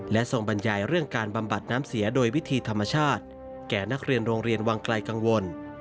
และทรงบรรยายเรื่องการบำบัดน้ำเสียโดยวิธีธรรมชาติแก่นักเรียนโรงเรียนวังไกลกังวล